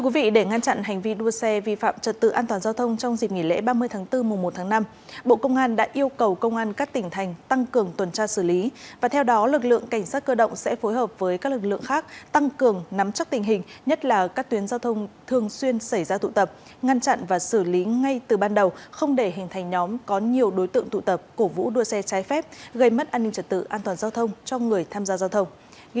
công an xã tại đây đã huy động toàn bộ lực lượng bảo vệ và chủ động nắm bắt tình hình nhất là các tuyến giao thông thường xuyên xảy ra tụ tập ngăn chặn và xử lý ngay từ ban đầu không để hình thành nhóm có nhiều đối tượng tụ tập cổ vũ đua xe trái phép gây mất an ninh trả tự an toàn giao thông cho người tham gia giao thông